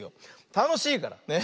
たのしいから。ね。